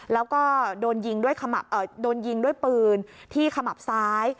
แล้วก็โดนยิงด้วยปืนที่ขมับซ้าย